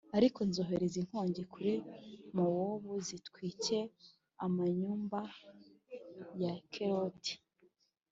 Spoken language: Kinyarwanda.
Ariko nzohereza inkongi kuri Mowabu zitwike amanyumba ya Keriyoti